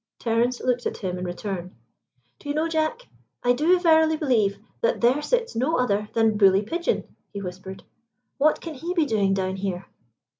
Terence looked at him in return. "Do you know, Jack, I do verily believe that there sits no other than Bully Pigeon," he whispered. "What can he be doing down here?"